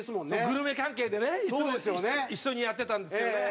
グルメ関係でねいつも一緒にやってたんですけどね。